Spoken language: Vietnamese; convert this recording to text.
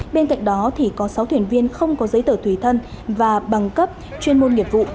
bên cạnh đó có sáu thuyền viên không có giấy tờ tùy thân và bằng cấp chuyên môn nghiệp vụ